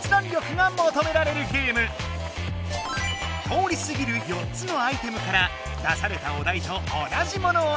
通りすぎる４つのアイテムから出されたお題と同じものをえらぶ。